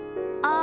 「あ」。